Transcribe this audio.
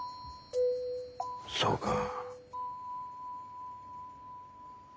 そうか。